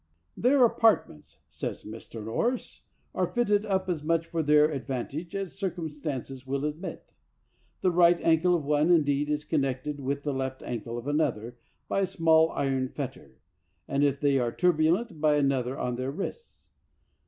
"Their apartments," says Mr. Norris, "arc fitted up as much for their advantage as circum stances will admit. The right ankle of one, in deed, is connected with the left ankle of another by a small iron fetter, and if they are turbulent, 63 THE WORLD'S FAMOUS ORATIONS by another on their wrists.